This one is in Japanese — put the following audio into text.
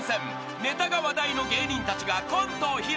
ネタが話題の芸人たちがコントを披露。